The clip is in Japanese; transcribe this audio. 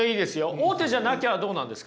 大手じゃなきゃどうなんですか？